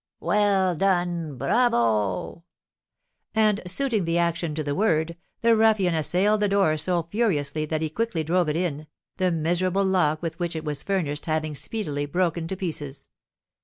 Well done! Bravo!" And suiting the action to the word, the ruffian assailed the door so furiously that he quickly drove it in, the miserable lock with which it was furnished having speedily broken to pieces.